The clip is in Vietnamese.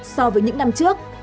so với những năm trước